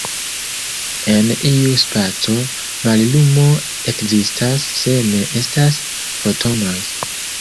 En iu spaco, mallumo ekzistas se ne estas Fotonoj.